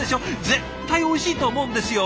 絶対おいしいと思うんですよ！